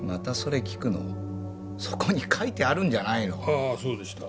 ああそうでした。